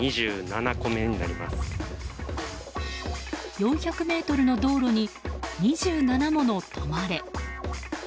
４００ｍの道路に２７もの「止まれ」。